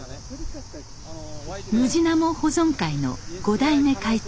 ムジナモ保存会の５代目会長